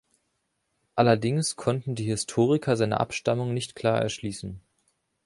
Allerdings konnten die Historiker seine Abstammung nicht klar erschließen.